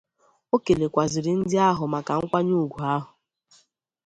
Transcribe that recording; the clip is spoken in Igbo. O kèlèkwàzịrị ndị ahụ maka nkwanyeùgwù ahụ